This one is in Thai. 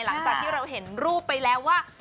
หลังจากที่เราเห็นรูปไปแล้วว่า